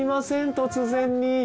突然に。